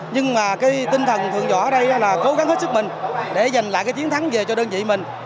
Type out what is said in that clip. nhưng mà cái tinh thần thượng võ ở đây là cố gắng hết sức mình để giành lại cái chiến thắng về cho đơn vị mình